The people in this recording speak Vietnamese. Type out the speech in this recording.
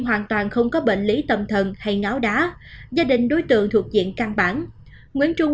hoàn toàn không có bệnh lý tâm thần hay ngáo đá gia đình đối tượng thuộc diện căn bản nguyễn trung